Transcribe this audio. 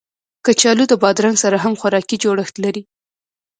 کچالو د بادرنګ سره هم خوراکي جوړښت لري